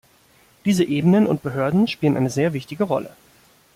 Diese Ebenen und Behörden spielen eine sehr wichtige Rolle.